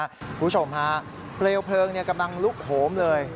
คุณผู้ชมฮะเปลวเพลิงกำลังลุกโหมเลย